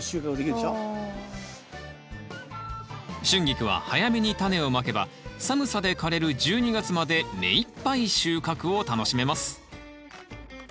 シュンギクは早めにタネをまけば寒さで枯れる１２月まで目いっぱい収穫を楽しめます。